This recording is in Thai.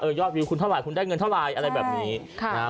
ยอดวิวคุณเท่าไรคุณได้เงินเท่าไหร่อะไรแบบนี้ค่ะนะฮะ